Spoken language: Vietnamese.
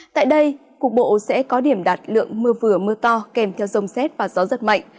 tại đây cục bộ sẽ có điểm đạt lượng mưa vừa mưa to kèm theo rông xét và gió rất mạnh